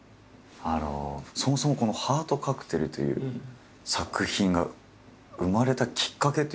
あのそもそも「ハートカクテル」という作品が生まれたきっかけというのは？